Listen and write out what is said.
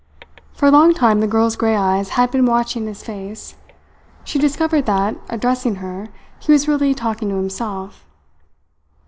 For a long time the girl's grey eyes had been watching his face. She discovered that, addressing her, he was really talking to himself.